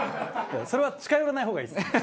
それは近寄らない方がいいです。